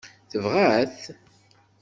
Tebɣa-t?